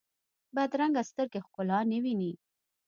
بدرنګه سترګې ښکلا نه ویني